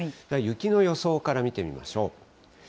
では雪の予想から見てみましょう。